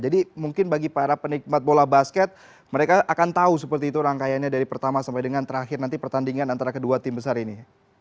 mungkin bagi para penikmat bola basket mereka akan tahu seperti itu rangkaiannya dari pertama sampai dengan terakhir nanti pertandingan antara kedua tim besar ini